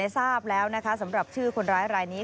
ทราบแล้วนะคะสำหรับชื่อคนร้ายรายนี้